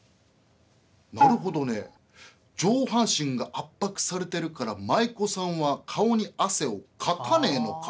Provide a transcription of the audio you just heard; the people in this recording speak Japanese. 「なるほどね。上半身が圧迫されてるから舞妓さんは顔にアセをかかねえのか。